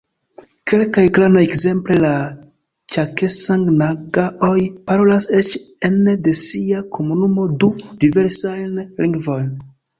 Kelkaj klanoj, ekzemple la ĉakesang-nagaoj, parolas eĉ ene de sia komunumo du diversajn lingvojn.